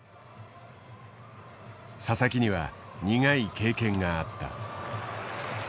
佐々木には苦い経験があった。